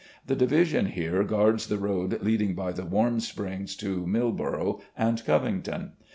The division here guards the road leading by the Warm Springs to Milboro and Covington.